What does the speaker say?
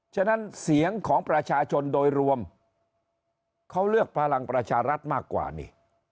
ฉะนั้นเสียงของประชาชนโดยรวมเขาเลือกพลังประชารัฐมากกว่านี่